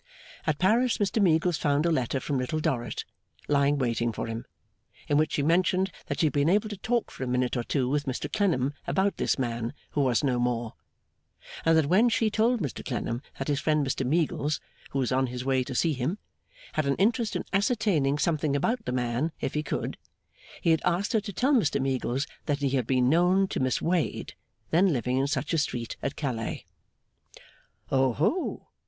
At Paris Mr Meagles found a letter from Little Dorrit, lying waiting for him; in which she mentioned that she had been able to talk for a minute or two with Mr Clennam about this man who was no more; and that when she told Mr Clennam that his friend Mr Meagles, who was on his way to see him, had an interest in ascertaining something about the man if he could, he had asked her to tell Mr Meagles that he had been known to Miss Wade, then living in such a street at Calais. 'Oho!